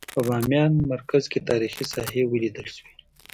په بامیان مرکز کې تاریخي ساحې ولیدل شوې.